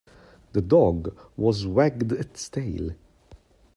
The dog was wagged its tail.